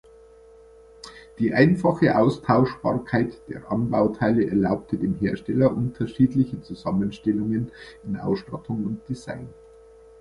Die einfache Austauschbarkeit der Anbauteile erlaubte dem Hersteller unterschiedliche Zusammenstellungen in Ausstattung und Design.